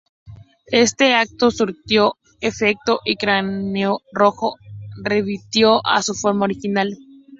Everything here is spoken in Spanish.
Este acto surtió efecto y Cráneo Rojo revirtió a su forma original.